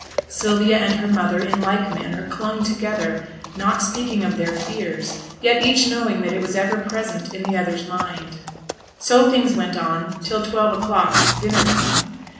Sylvia and her mother, in like manner, clung together, not speaking of their fears, yet each knowing that it was ever present in the other's mind. So things went on till twelve o'clock dinner time.